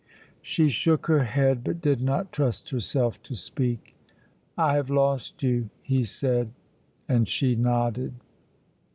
She shook her head, but did not trust herself to speak. "I have lost you," he said, and she nodded.